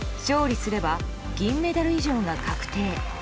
勝利すれば銀メダル以上が確定。